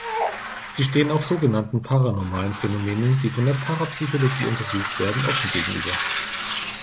Sie steht auch sogenannten paranormalen Phänomenen, die von der Parapsychologie untersucht werden, offen gegenüber.